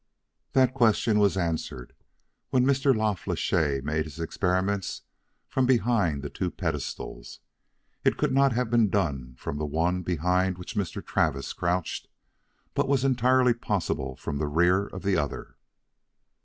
"That question was answered when Mr. La Flèche made his experiments from behind the two pedestals. It could not have been done from the one behind which Mr. Travis crouched, but was entirely possible from the rear of the other."